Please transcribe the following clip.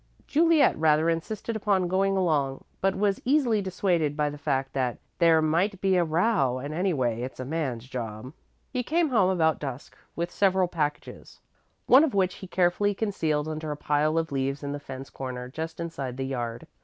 Juliet rather insisted upon going along, but was easily dissuaded by the fact that "there might be a row, and anyway, it's a man's job." He came home about dusk with several packages, one of which he carefully concealed under a pile of leaves in the fence corner just inside the yard.